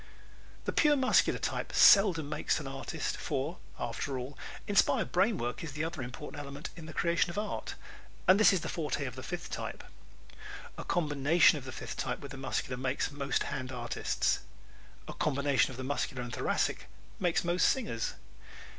The pure Muscular type seldom makes an artist, for, after all, inspired brain work is the other important element in the creation of art, and this is the forte of the fifth type. A combination of the fifth type with the Muscular makes most hand artists. A combination of the Muscular and Thoracic makes most singers.